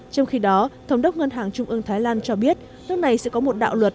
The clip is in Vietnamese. trong khi đó thống đốc ngân hàng trung ương thái lan cho biết nước này sẽ có một đạo luật